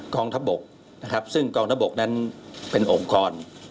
กองทัพบกนะครับซึ่งกองทัพบกนั้นเป็นองค์กร